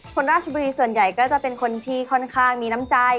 คนราชบุรีส่วนใหญ่ก็จะเป็นคนที่ค่อนข้างมีน้ำใจ